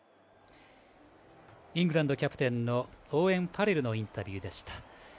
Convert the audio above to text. イングランドキャプテンのオーウェン・ファレルのインタビューでした。